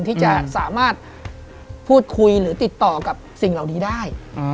ที่จะสามารถพูดคุยหรือติดต่อกับสิ่งเหล่านี้ได้